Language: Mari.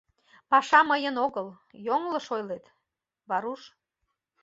Паша мыйын огыл, йоҥылыш ойлет, Варуш.